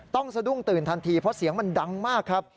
สะดุ้งตื่นทันทีเพราะเสียงมันดังมากครับ